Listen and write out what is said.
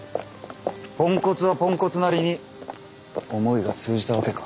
ポンコツはポンコツなりに思いが通じたわけか。